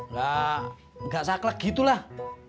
gak saklek gitu lah